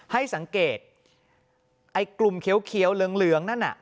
ให้สังเกตไอ้กลุ่มเขียวเหลืองนั่นน่ะ